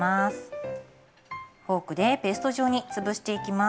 フォークでペースト状に潰していきます。